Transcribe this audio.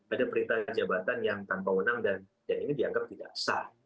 ada perintah jabatan yang tanpa wenang dan ini dianggap tidak sah